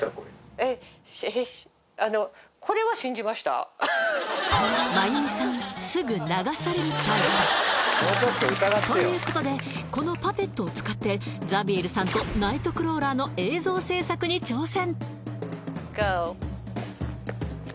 えっあのマユミさんということでこのパペットを使ってザビエルさんとナイトクローラーの映像制作に挑戦